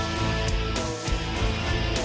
มารับ